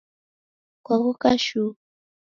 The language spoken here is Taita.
Kwaghoka shuu